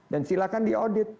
dan silakan di audit